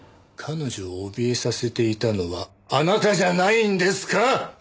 彼女をおびえさせていたのはあなたじゃないんですか？